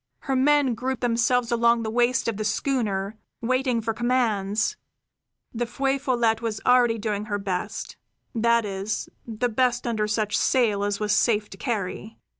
Her men grouped themselves along the waist of the schooner, waiting for commands. The Feu Follette was already doing her best; that is, the best under such sail as was safe to carry.